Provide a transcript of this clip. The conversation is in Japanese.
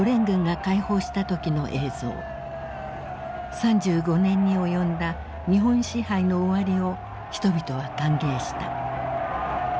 ３５年に及んだ日本支配の終わりを人々は歓迎した。